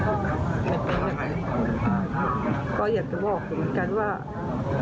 แต่ก็ทุกคนก็ต้องบอกลูกแบบนั้นอยู่แล้วแต่เขาไม่เชื่อเจ็บมาก